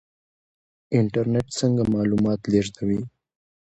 انټرنیټ څنګه معلومات لیږدوي؟